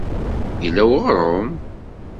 Yella weɣrum?